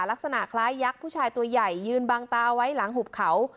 ลักษณะคล้ายยักษ์ผู้ชายตัวใหญ่ยืนบางตาไว้หลังหุบเขา